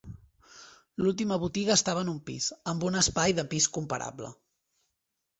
L'última botiga estava en un pis, amb un espai de pis comparable.